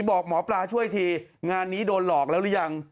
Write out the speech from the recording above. บอกหมอปลาช่วยทีงานนี้โดนหลอกแล้วหรือยัง